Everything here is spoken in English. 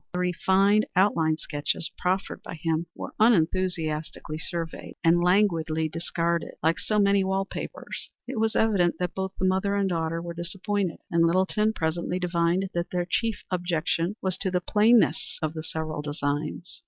The refined outline sketches proffered by him were unenthusiastically surveyed and languidly discarded like so many wall papers. It was evident that both the mother and daughter were disappointed, and Littleton presently divined that their chief objection was to the plainness of the several designs.